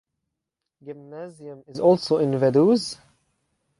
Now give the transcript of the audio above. Gymnasium is also in Vaduz.